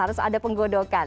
harus ada penggodokan